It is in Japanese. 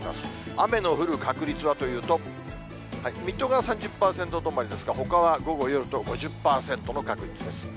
雨の降る確率はというと、水戸が３０％止まりですが、ほかは午後、夜と５０％の確率です。